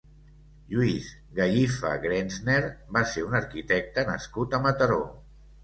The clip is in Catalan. Lluís Gallifa Grenzner va ser un arquitecte nascut a Mataró.